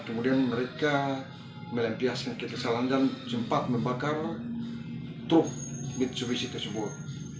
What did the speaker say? kemudian mereka melampiaskan kekesalan dan sempat membakar truk mitsubishi tersebut